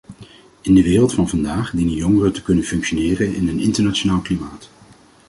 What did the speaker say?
In de wereld van vandaag dienen jongeren te kunnen functioneren in een internationaal klimaat.